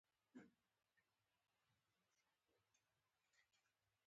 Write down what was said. بله ډله ضروري احتیاج ګڼي.